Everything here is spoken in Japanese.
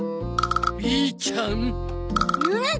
「ビーちゃん」？